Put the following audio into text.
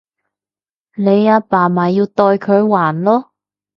你阿爸咪要代佢還囉